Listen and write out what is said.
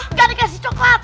gak ada kasih coklat